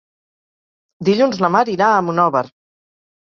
Dilluns na Mar irà a Monòver.